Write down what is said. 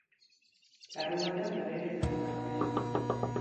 Larunbatean berriro izango da gurean.